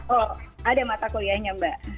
oh ada mata kuliahnya mbak